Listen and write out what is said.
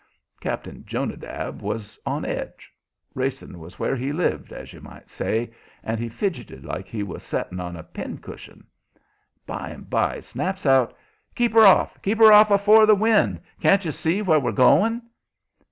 Cap'n Jonadab was on edge. Racing was where he lived, as you might say, and he fidgeted like he was setting on a pin cushion. By and by he snaps out: "Keep her off! Keep her off afore the wind! Can't you see where you're going?"